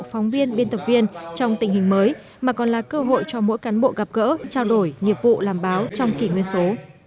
phóng viên biên tập viên trong tình hình mới mà còn là cơ hội cho mỗi cán bộ gặp gỡ trao đổi nghiệp vụ làm báo trong kỷ nguyên số